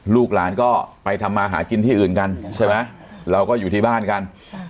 ลูกหลานก็ไปทำมาหากินที่อื่นกันใช่ไหมเราก็อยู่ที่บ้านกัน